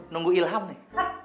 nunggu ilham nih